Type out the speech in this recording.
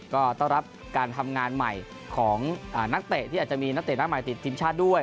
ก็ต้อนรับการทำงานใหม่ของนักเตะที่อาจจะมีนักเตะหน้าใหม่ติดทีมชาติด้วย